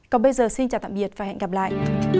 còn bây giờ xin chào tạm biệt và hẹn gặp lại